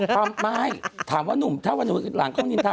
ห้าไม่ถามว่านุ่มถ้าว่านุ่มหลังข้องนินทา